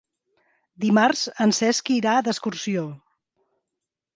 Dimarts en Cesc irà d'excursió.